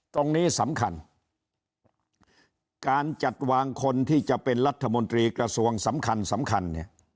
ตรงนี้สำคัญการจัดวางคนที่จะเป็นรัฐมนตรีกระทรวงสำคัญ